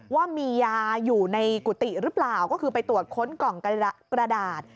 ว่ามียาอยู่ในกุฏิหรือเปล่าก็คือไปตรวจค้นกล่องกระดาษ